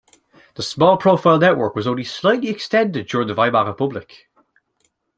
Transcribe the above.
The small profile network was only slightly extended during the Weimar Republic.